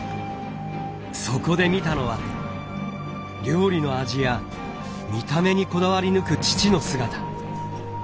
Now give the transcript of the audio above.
そこで見たのは料理の味や見た目にこだわり抜く父の姿。